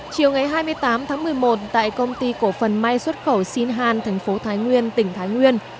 chiều ngày hai mươi tám tháng một mươi một tại công ty cổ phần may xuất khẩu sinh hàn thành phố thái nguyên tỉnh thái nguyên